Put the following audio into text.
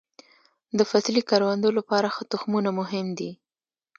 د فصلي کروندو لپاره ښه تخمونه مهم دي.